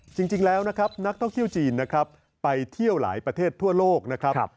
จริงแล้วนะครับนักท่องเที่ยวจีนนะครับไปเที่ยวหลายประเทศทั่วโลกนะครับ